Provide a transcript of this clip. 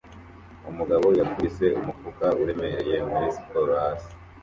Umugabo yakubise umufuka uremereye muri siporo hasi